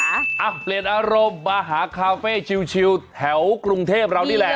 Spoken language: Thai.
อ่ะเปลี่ยนอารมณ์มาหาคาเฟ่ชิวแถวกรุงเทพเรานี่แหละ